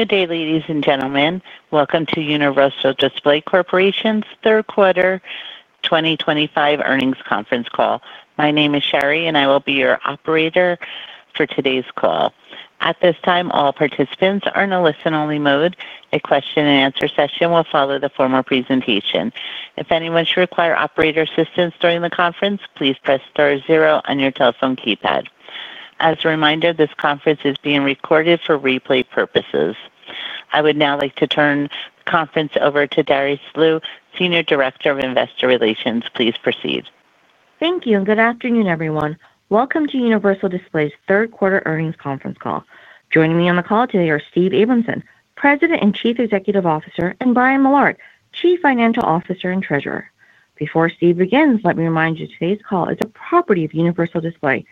Good day, ladies and gentlemen. Welcome to Universal Display Corporation's third-quarter 2025 earnings conference call. My name is Sherry, and I will be your operator for today's call. At this time, all participants are in a listen-only mode. A question-and-answer session will follow the formal presentation. If anyone should require operator assistance during the conference, please press star zero on your telephone keypad. As a reminder, this conference is being recorded for replay purposes. I would now like to turn the conference over to Darice Liu, Senior Director of Investor Relations. Please proceed. Thank you, and good afternoon, everyone. Welcome to Universal Display's third-quarter earnings conference call. Joining me on the call today are Steve Abramson, President and Chief Executive Officer, and Brian Millard, Chief Financial Officer and Treasurer. Before Steve begins, let me remind you today's call is a property of Universal Display.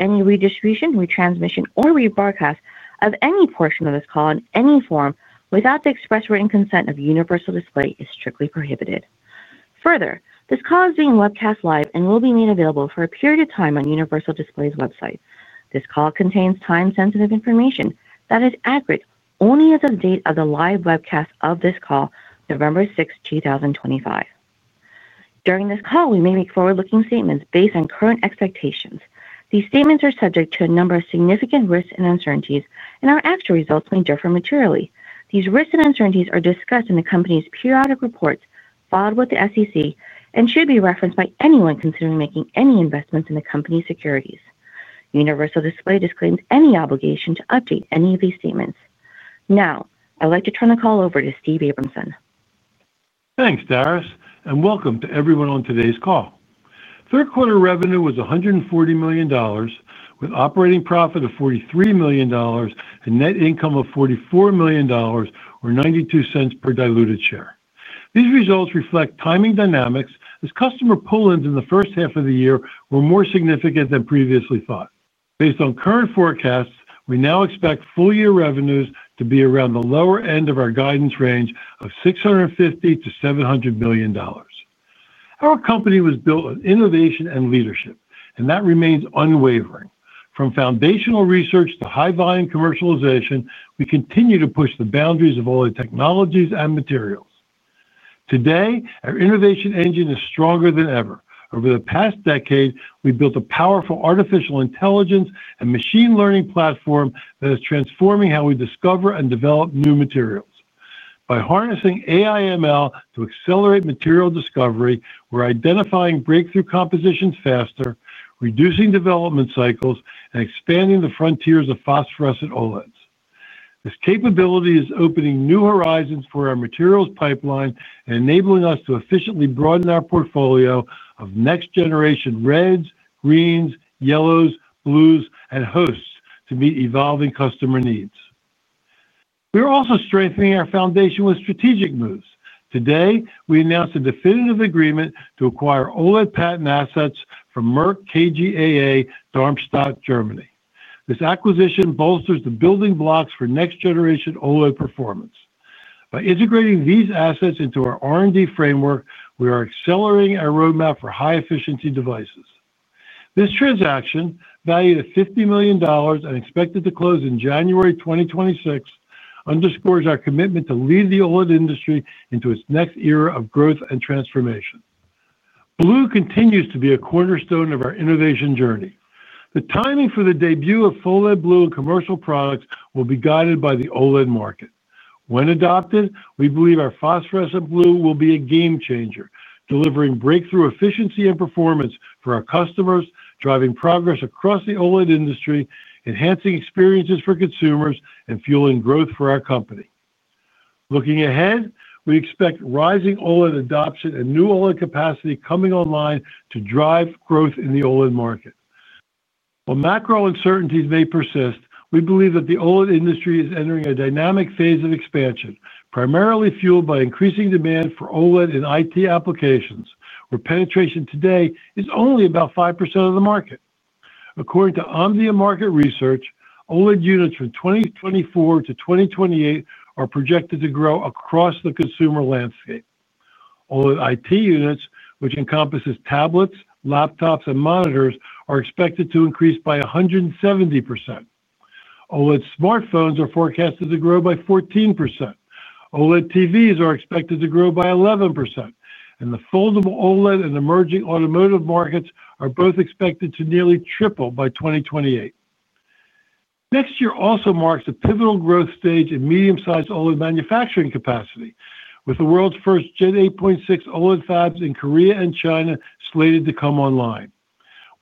Any redistribution, retransmission, or rebroadcast of any portion of this call in any form without the express written consent of Universal Display is strictly prohibited. Further, this call is being webcast live and will be made available for a period of time on Universal Display's website. This call contains time-sensitive information that is accurate only as of the date of the live webcast of this call, November 6th, 2025. During this call, we may make forward-looking statements based on current expectations. These statements are subject to a number of significant risks and uncertainties, and our actual results may differ materially. These risks and uncertainties are discussed in the company's periodic reports filed with the SEC and should be referenced by anyone considering making any investments in the company's securities. Universal Display disclaims any obligation to update any of these statements. Now, I'd like to turn the call over to Steve Abramson. Thanks, Darice, and welcome to everyone on today's call. Third-quarter revenue was $140 million, with operating profit of $43 million. Net income was $44 million, or $0.92 per diluted share. These results reflect timing dynamics, as customer pull-ins in the first half of the year were more significant than previously thought. Based on current forecasts, we now expect full-year revenues to be around the lower end of our guidance range of $650 million-$700 million. Our company was built on innovation and leadership, and that remains unwavering. From foundational research to high-volume commercialization, we continue to push the boundaries of all the technologies and materials. Today, our innovation engine is stronger than ever. Over the past decade, we built a powerful artificial intelligence and machine learning platform that is transforming how we discover and develop new materials. By harnessing AI/ML to accelerate material discovery, we're identifying breakthrough compositions faster, reducing development cycles, and expanding the frontiers of phosphorescent OLEDs. This capability is opening new horizons for our materials pipeline and enabling us to efficiently broaden our portfolio of next-generation reds, greens, yellows, blues, and hosts to meet evolving customer needs. We're also strengthening our foundation with strategic moves. Today, we announced a definitive agreement to acquire OLED patent assets from Merck KGaA Darmstadt, Germany. This acquisition bolsters the building blocks for next-generation OLED performance. By integrating these assets into our R&D framework, we are accelerating our roadmap for high-efficiency devices. This transaction, valued at $50 million and expected to close in January 2026, underscores our commitment to lead the OLED industry into its next era of growth and transformation. Blue continues to be a cornerstone of our innovation journey. The timing for the debut of full-LED blue in commercial products will be guided by the OLED market. When adopted, we believe our phosphorescent blue will be a game-changer, delivering breakthrough efficiency and performance for our customers, driving progress across the OLED industry, enhancing experiences for consumers, and fueling growth for our company. Looking ahead, we expect rising OLED adoption and new OLED capacity coming online to drive growth in the OLED market. While macro uncertainties may persist, we believe that the OLED industry is entering a dynamic phase of expansion, primarily fueled by increasing demand for OLED in IT applications, where penetration today is only about 5% of the market. According to Omdia Market Research, OLED units from 2024 to 2028 are projected to grow across the consumer landscape. OLED IT units, which encompasses tablets, laptops, and monitors, are expected to increase by 170%. OLED smartphones are forecasted to grow by 14%. OLED TVs are expected to grow by 11%, and the foldable OLED in emerging automotive markets are both expected to nearly triple by 2028. Next year also marks a pivotal growth stage in medium-sized OLED manufacturing capacity, with the world's first Gen 8.6 OLED fabs in Korea and China slated to come online.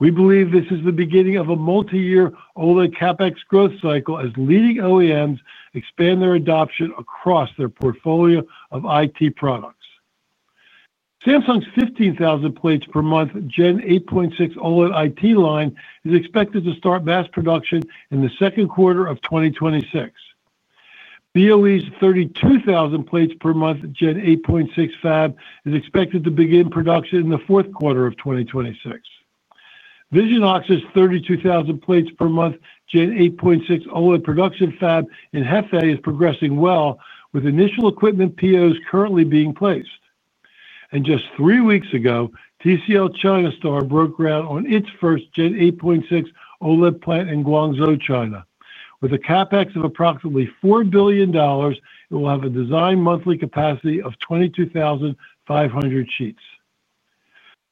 We believe this is the beginning of a multi-year OLED capex growth cycle as leading OEMs expand their adoption across their portfolio of IT products. Samsung's 15,000 plates per month Gen 8.6 OLED IT line is expected to start mass production in the second quarter of 2026. BOE's 32,000 plates per month Gen 8.6 fab is expected to begin production in the fourth quarter of 2026. Visionox's 32,000 plates per month Gen 8.6 OLED production fab in Hefei is progressing well, with initial equipment POs currently being placed. Just three weeks ago, TCL China Star broke ground on its first Gen 8.6 OLED plant in Guangzhou, China. With a CapEx of approximately $4 billion, it will have a design monthly capacity of 22,500 sheets.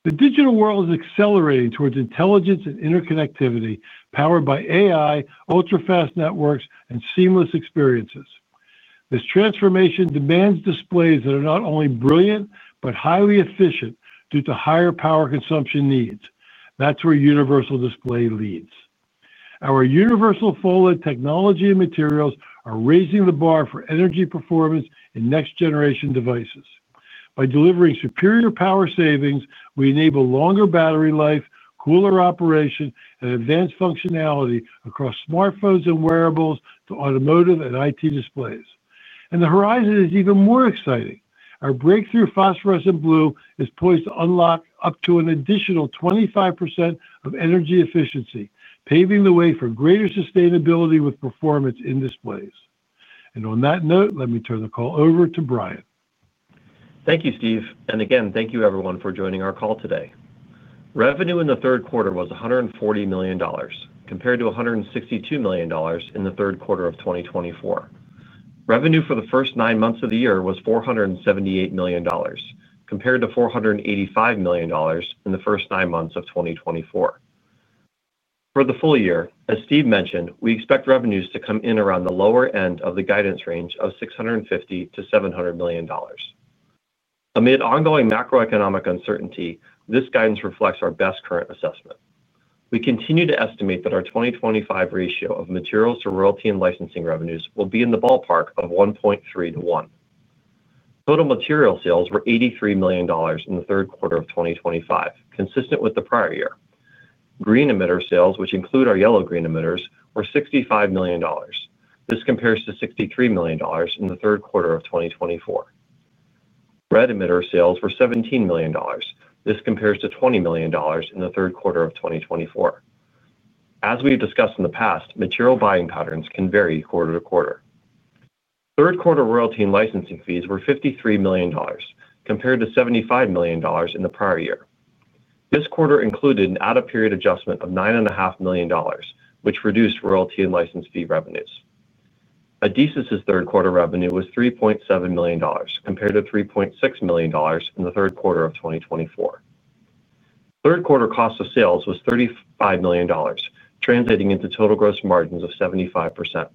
The digital world is accelerating towards intelligence and interconnectivity, powered by AI, ultra-fast networks, and seamless experiences. This transformation demands displays that are not only brilliant but highly efficient due to higher power consumption needs. That is where Universal Display leads. Our universal full-OLED technology and materials are raising the bar for energy performance in next-generation devices. By delivering superior power savings, we enable longer battery life, cooler operation, and advanced functionality across smartphones and wearables to automotive and IT displays. The horizon is even more exciting. Our breakthrough phosphorescent blue is poised to unlock up to an additional 25% of energy efficiency, paving the way for greater sustainability with performance in displays. On that note, let me turn the call over to Brian. Thank you, Steve. Thank you, everyone, for joining our call today. Revenue in the third quarter was $140 million, compared to $162 million in the third quarter of 2024. Revenue for the first nine months of the year was $478 million, compared to $485 million in the first nine months of 2024. For the full year, as Steve mentioned, we expect revenues to come in around the lower end of the guidance range of $650 million-$700 million. Amid ongoing macroeconomic uncertainty, this guidance reflects our best current assessment. We continue to estimate that our 2025 ratio of materials to royalty and licensing revenues will be in the ballpark of 1.3 to 1. Total material sales were $83 million in the third quarter of 2025, consistent with the prior year. Green emitter sales, which include our yellow-green emitters, were $65 million. This compares to $63 million in the third quarter of 2024. Red emitter sales were $17 million. This compares to $20 million in the third quarter of 2024. As we've discussed in the past, material buying patterns can vary quarter to quarter. Third-quarter royalty and licensing fees were $53 million, compared to $75 million in the prior year. This quarter included an out-of-period adjustment of $9.5 million, which reduced royalty and license fee revenues. Adesis's third-quarter revenue was $3.7 million, compared to $3.6 million in the third quarter of 2024. Third-quarter cost of sales was $35 million, translating into total gross margins of 75%.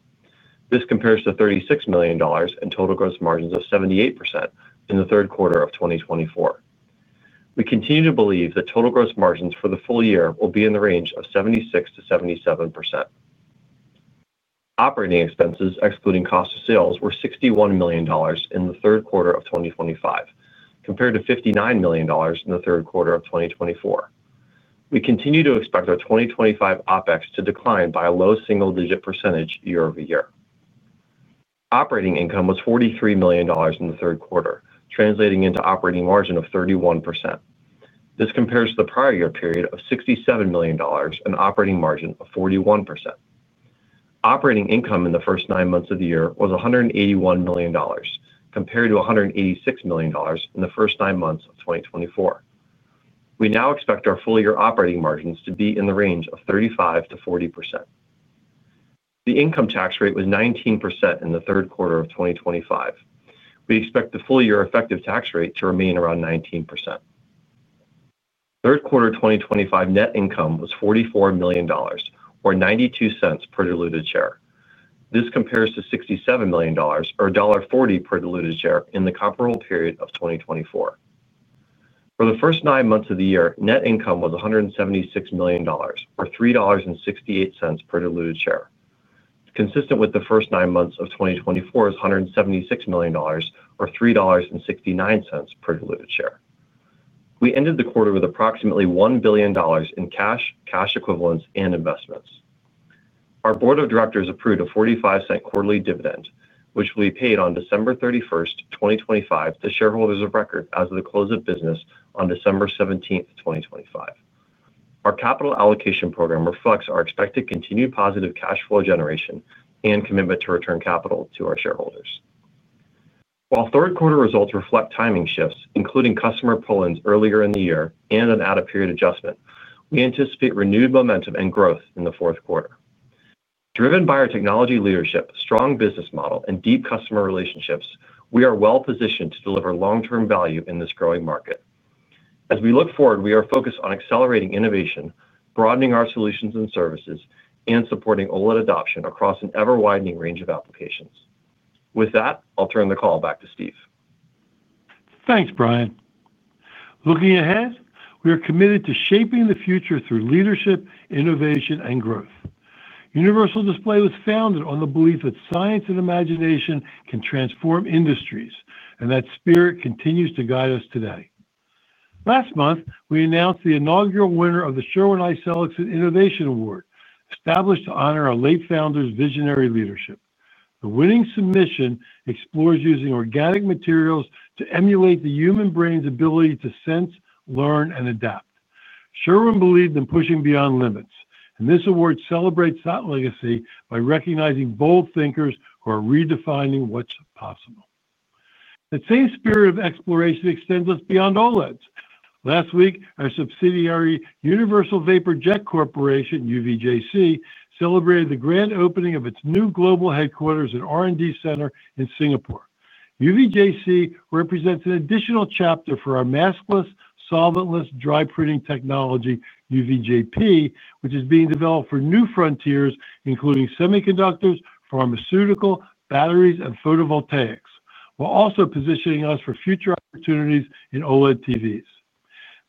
This compares to $36 million and total gross margins of 78% in the third quarter of 2024. We continue to believe that total gross margins for the full year will be in the range of 76-77%. Operating expenses, excluding cost of sales, were $61 million in the third quarter of 2025, compared to $59 million in the third quarter of 2024. We continue to expect our 2025 OPEX to decline by a low single-digit percentage year over year. Operating income was $43 million in the third quarter, translating into an operating margin of 31%. This compares to the prior year period of $67 million and an operating margin of 41%. Operating income in the first nine months of the year was $181 million, compared to $186 million in the first nine months of 2024. We now expect our full-year operating margins to be in the range of 35-40%. The income tax rate was 19% in the third quarter of 2025. We expect the full-year effective tax rate to remain around 19%. Third quarter 2025 net income was $44 million, or $0.92 per diluted share. This compares to $67 million, or $1.40 per diluted share, in the comparable period of 2024. For the first nine months of the year, net income was $176 million, or $3.68 per diluted share, consistent with the first nine months of 2024's $176 million, or $3.69 per diluted share. We ended the quarter with approximately $1 billion in cash, cash equivalents, and investments. Our board of directors approved a $0.45 quarterly dividend, which will be paid on December 31, 2025, to shareholders of record as of the close of business on December 17, 2025. Our capital allocation program reflects our expected continued positive cash flow generation and commitment to return capital to our shareholders. While third-quarter results reflect timing shifts, including customer pull-ins earlier in the year and an out-of-period adjustment, we anticipate renewed momentum and growth in the fourth quarter. Driven by our technology leadership, strong business model, and deep customer relationships, we are well-positioned to deliver long-term value in this growing market. As we look forward, we are focused on accelerating innovation, broadening our solutions and services, and supporting OLED adoption across an ever-widening range of applications. With that, I'll turn the call back to Steve. Thanks, Brian. Looking ahead, we are committed to shaping the future through leadership, innovation, and growth. Universal Display was founded on the belief that science and imagination can transform industries, and that spirit continues to guide us today. Last month, we announced the inaugural winner of the Sherwin Isaacson Innovation Award, established to honor our late founder's visionary leadership. The winning submission explores using organic materials to emulate the human brain's ability to sense, learn, and adapt. Sherwin believed in pushing beyond limits, and this award celebrates that legacy by recognizing bold thinkers who are redefining what's possible. That same spirit of exploration extends us beyond OLED. Last week, our subsidiary, Universal Vapor Jet Corporation, UVJC, celebrated the grand opening of its new global headquarters and R&D center in Singapore. UVJC represents an additional chapter for our maskless, solventless dry printing technology, UVJP, which is being developed for new frontiers, including semiconductors, pharmaceutical, batteries, and photovoltaics, while also positioning us for future opportunities in OLED TVs.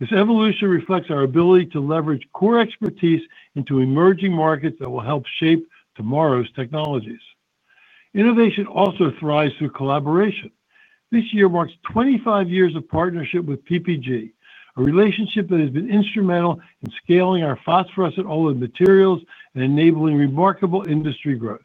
This evolution reflects our ability to leverage core expertise into emerging markets that will help shape tomorrow's technologies. Innovation also thrives through collaboration. This year marks 25 years of partnership with PPG, a relationship that has been instrumental in scaling our phosphorescent OLED materials and enabling remarkable industry growth.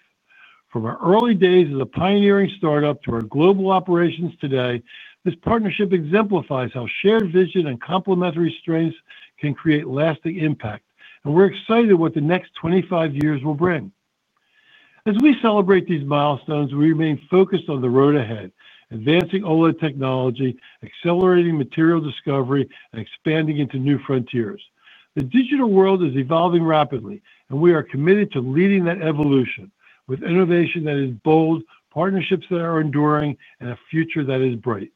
From our early days as a pioneering startup to our global operations today, this partnership exemplifies how shared vision and complementary strengths can create lasting impact, and we're excited about what the next 25 years will bring. As we celebrate these milestones, we remain focused on the road ahead, advancing OLED technology, accelerating material discovery, and expanding into new frontiers. The digital world is evolving rapidly, and we are committed to leading that evolution with innovation that is bold, partnerships that are enduring, and a future that is bright.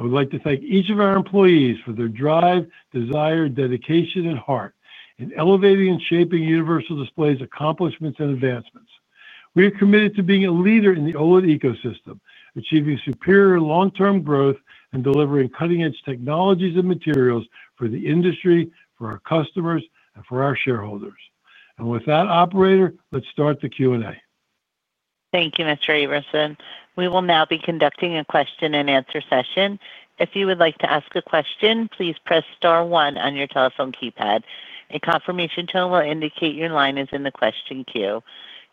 I would like to thank each of our employees for their drive, desire, dedication, and heart in elevating and shaping Universal Display's accomplishments and advancements. We are committed to being a leader in the OLED ecosystem, achieving superior long-term growth and delivering cutting-edge technologies and materials for the industry, for our customers, and for our shareholders. Operator, let's start the Q&A. Thank you, Mr. Abramson. We will now be conducting a question-and-answer session. If you would like to ask a question, please press star one on your telephone keypad. A confirmation tone will indicate your line is in the question queue.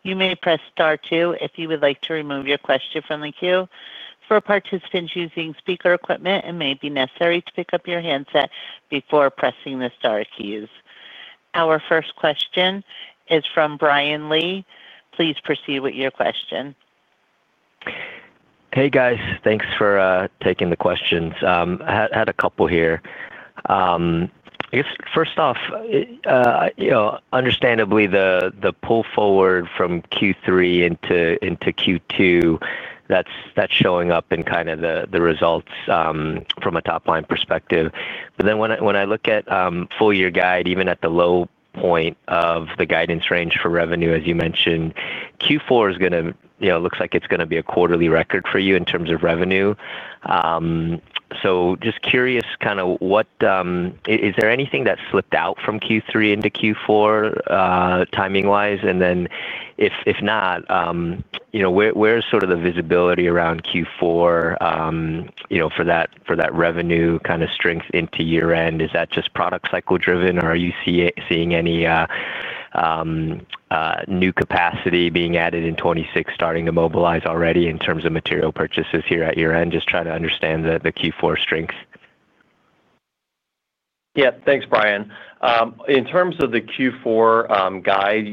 You may press star two if you would like to remove your question from the queue. For participants using speaker equipment, it may be necessary to pick up your handset before pressing the star keys. Our first question is from Brian Lee. Please proceed with your question. Hey, guys. Thanks for taking the questions. I had a couple here. I guess, first off, understandably, the pull forward from Q3 into Q2, that's showing up in kind of the results from a top-line perspective. But then when I look at full-year guide, even at the low point of the guidance range for revenue, as you mentioned, Q4 is going to look like it's going to be a quarterly record for you in terms of revenue. Just curious, kind of, is there anything that slipped out from Q3 into Q4 timing-wise? If not, where's sort of the visibility around Q4 for that revenue kind of strength into year-end? Is that just product cycle-driven, or are you seeing any new capacity being added in 2026 starting to mobilize already in terms of material purchases here at year-end? Just trying to understand the Q4 strengths. Yeah. Thanks, Brian. In terms of the Q4 guide,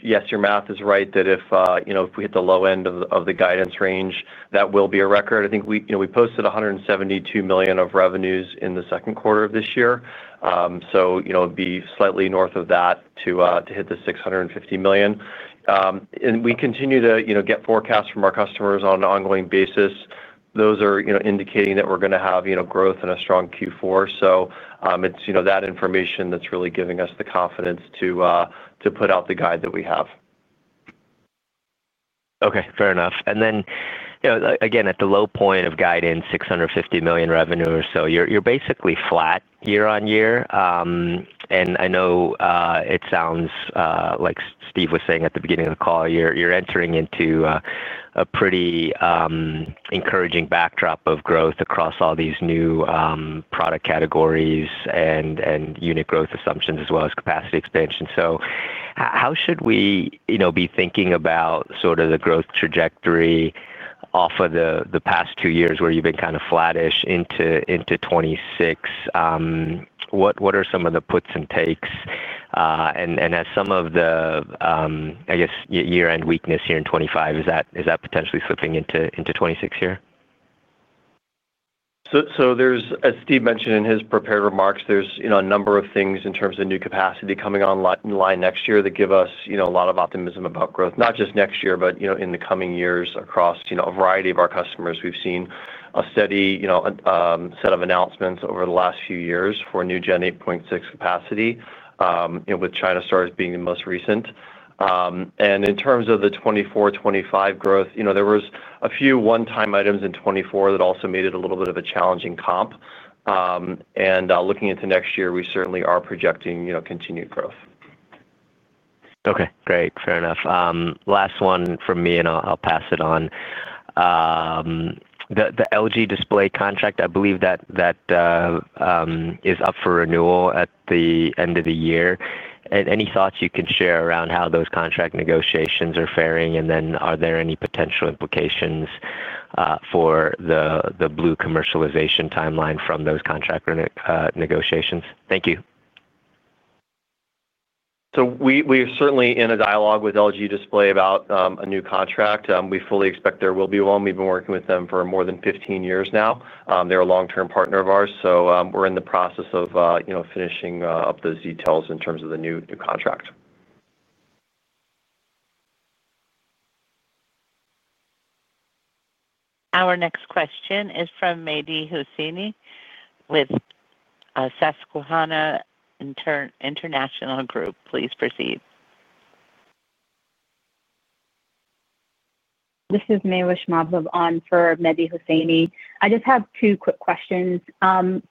yes, your math is right that if we hit the low end of the guidance range, that will be a record. I think we posted $172 million of revenues in the second quarter of this year. It would be slightly north of that to hit the $650 million. We continue to get forecasts from our customers on an ongoing basis. Those are indicating that we're going to have growth in a strong Q4. It is that information that's really giving us the confidence to put out the guide that we have. Okay. Fair enough. Then, again, at the low point of guidance, $650 million revenue. You're basically flat year on year. I know it sounds like Steve was saying at the beginning of the call, you're entering into a pretty encouraging backdrop of growth across all these new product categories and unit growth assumptions, as well as capacity expansion. How should we be thinking about sort of the growth trajectory off of the past two years where you've been kind of flattish into 2026? What are some of the puts and takes? Has some of the, I guess, year-end weakness here in 2025, is that potentially slipping into 2026 here? As Steve mentioned in his prepared remarks, there's a number of things in terms of new capacity coming online next year that give us a lot of optimism about growth, not just next year, but in the coming years across a variety of our customers. We've seen a steady set of announcements over the last few years for new Gen 8.6 capacity, with China Star being the most recent. In terms of the 2024, 2025 growth, there were a few one-time items in 2024 that also made it a little bit of a challenging comp. Looking into next year, we certainly are projecting continued growth. Okay. Great. Fair enough. Last one from me, and I'll pass it on. The LG Display contract, I believe that is up for renewal at the end of the year. Any thoughts you can share around how those contract negotiations are faring? Are there any potential implications for the blue commercialization timeline from those contract negotiations? Thank you. We are certainly in a dialogue with LG Display about a new contract. We fully expect there will be one. We've been working with them for more than 15 years now. They're a long-term partner of ours. We are in the process of finishing up those details in terms of the new contract. Our next question is from Mehdi Hosseini with Susquahanna International Group. Please proceed. This is Mahwish Mabhub on for Mehdi Hosseini. I just have two quick questions.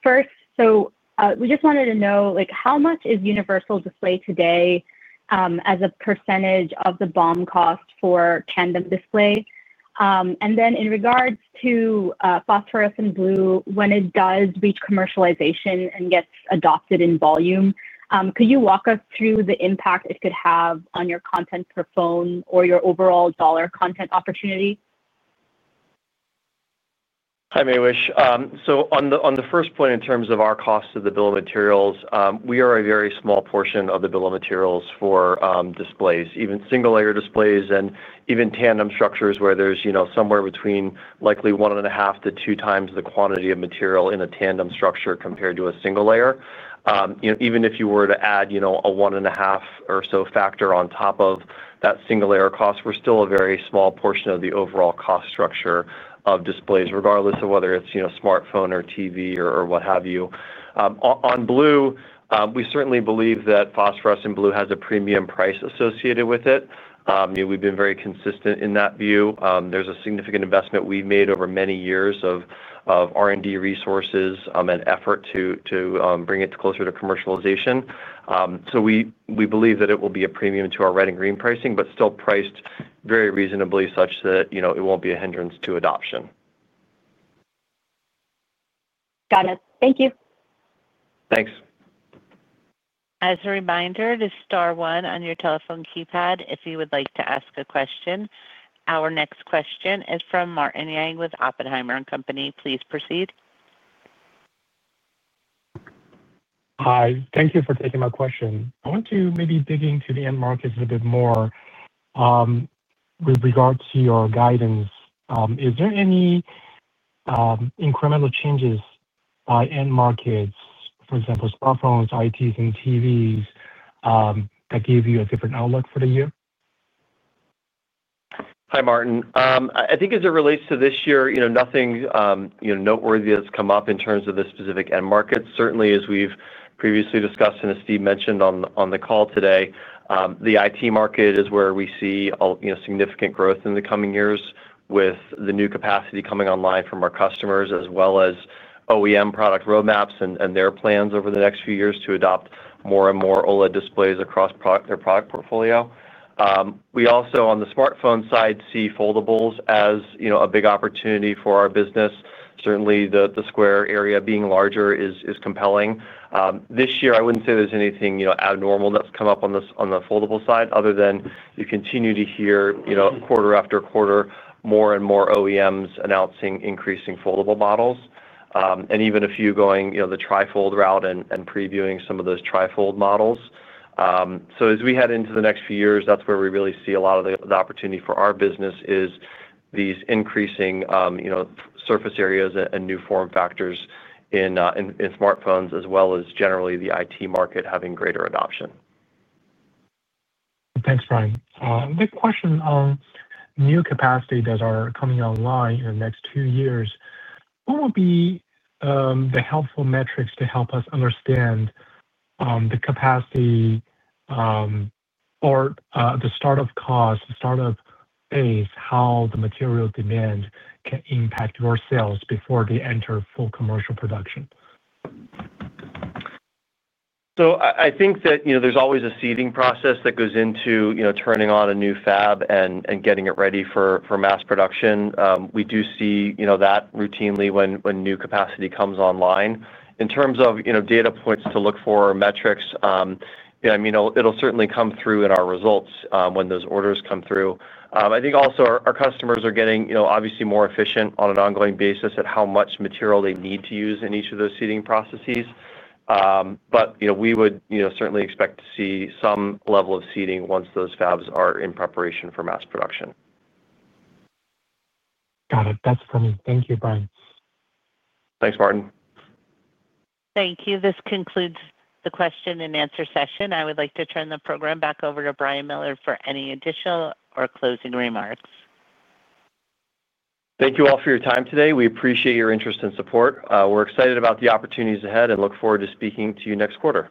First, so we just wanted to know how much is Universal Display today as a percentage of the BOM cost for Tandem Display? And then in regards to phosphorescent blue, when it does reach commercialization and gets adopted in volume, could you walk us through the impact it could have on your content per phone or your overall dollar content opportunity? Hi, Mahwish. On the first point in terms of our cost of the bill of materials, we are a very small portion of the bill of materials for displays, even single-layer displays and even tandem structures where there's somewhere between likely one and a half to two times the quantity of material in a tandem structure compared to a single layer. Even if you were to add a one and a half or so factor on top of that single-layer cost, we're still a very small portion of the overall cost structure of displays, regardless of whether it's smartphone or TV or what have you. On blue, we certainly believe that phosphorescent blue has a premium price associated with it. We've been very consistent in that view. There's a significant investment we've made over many years of R&D resources and effort to bring it closer to commercialization. We believe that it will be a premium to our red and green pricing, but still priced very reasonably such that it won't be a hindrance to adoption. Got it. Thank you. Thanks. As a reminder, this is star one on your telephone keypad if you would like to ask a question. Our next question is from Martin Yang with Oppenheimer & Company. Please proceed. Hi. Thank you for taking my question. I want to maybe dig into the end markets a little bit more. With regard to your guidance, is there any incremental changes by end markets, for example, smartphones, ITs, and TVs, that gave you a different outlook for the year? Hi, Martin. I think as it relates to this year, nothing noteworthy has come up in terms of the specific end markets. Certainly, as we've previously discussed and as Steve mentioned on the call today, the IT market is where we see significant growth in the coming years with the new capacity coming online from our customers, as well as OEM product roadmaps and their plans over the next few years to adopt more and more OLED displays across their product portfolio. We also, on the smartphone side, see foldables as a big opportunity for our business. Certainly, the square area being larger is compelling. This year, I wouldn't say there's anything abnormal that's come up on the foldable side other than you continue to hear quarter after quarter, more and more OEMs announcing increasing foldable models, and even a few going the trifold route and previewing some of those trifold models. As we head into the next few years, that's where we really see a lot of the opportunity for our business is these increasing surface areas and new form factors in smartphones, as well as generally the IT market having greater adoption. Thanks, Brian. The question on new capacity that are coming online in the next two years, what would be the helpful metrics to help us understand the capacity or the startup cost, startup phase, how the material demand can impact your sales before they enter full commercial production? I think that there's always a seeding process that goes into turning on a new fab and getting it ready for mass production. We do see that routinely when new capacity comes online. In terms of data points to look for or metrics, I mean, it'll certainly come through in our results when those orders come through. I think also our customers are getting obviously more efficient on an ongoing basis at how much material they need to use in each of those seeding processes. We would certainly expect to see some level of seeding once those fabs are in preparation for mass production. Got it. That's for me. Thank you, Brian. Thanks, Martin. Thank you. This concludes the question-and-answer session. I would like to turn the program back over to Brian Millard for any additional or closing remarks. Thank you all for your time today. We appreciate your interest and support. We're excited about the opportunities ahead and look forward to speaking to you next quarter.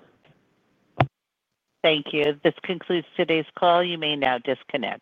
Thank you. This concludes today's call. You may now disconnect.